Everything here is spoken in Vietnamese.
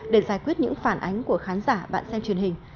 để giải quyết những phản ánh của khán giả bạn xem truyền hình